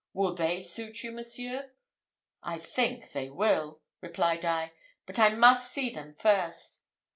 Will they suit you, monseigneur?" "I think they will," replied I; "but I must see them first."